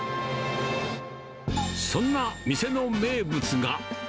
そんな店の名物が。